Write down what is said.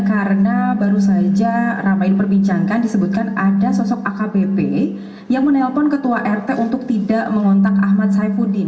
karena baru saja ramai diperbincangkan disebutkan ada sosok akbp yang menelpon ketua rt untuk tidak mengontak ahmad saifuddin